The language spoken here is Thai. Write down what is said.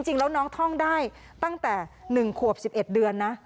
จริงแล้วน้องท่องได้ตั้งแต่๑ขวบ๑๑เดือนนะ